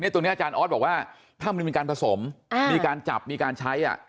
ตรงนี้อาจารย์ออสบอกว่าถ้ามันมีการผสมมีการจับมีการใช้